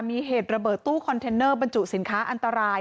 มีเหตุระเบิดตู้คอนเทนเนอร์บรรจุสินค้าอันตราย